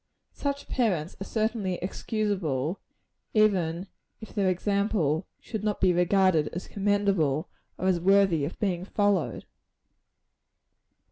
Such parents are certainly excusable, even if their example should not be regarded as commendable, or as worthy of being followed.